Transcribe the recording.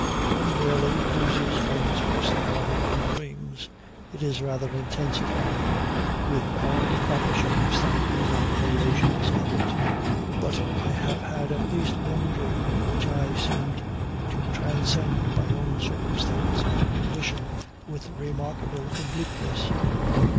VI One rarely loses one's personality in dreams; it is rather intensified, with all the proper circumstances and relations of it, but I have had at least one dream in which I seemed to transcend my own circumstance and condition with remarkable completeness.